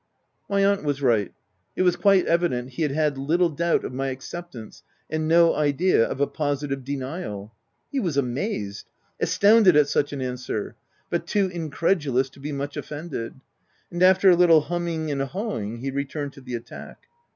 My aunt was right : it was quite evident he had had little doubt of my acceptance, and no idea of a positive denial. He was amazed —• astounded at such an answer, but too in credulous to be much offended ; and after a little humming and hawing, he returned to the attack.